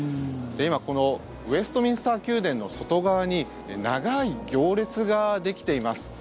今、このウェストミンスター宮殿の外側に長い行列ができています。